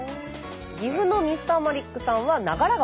岐阜のＭｒ．マリックさんは長良川。